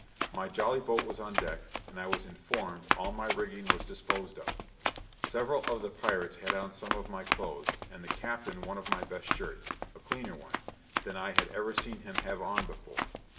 My jolly boat was on deck, and I was informed, all my rigging was disposed of. Several of the pirates had on some of my clothes, and the captain one of my best shirts, a cleaner one, than I had ever seen him have on before.